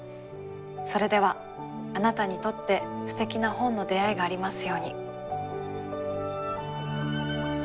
それではあなたにとってすてきな本の出会いがありますように。